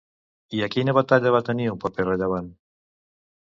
I a quina batalla va tenir un paper rellevant?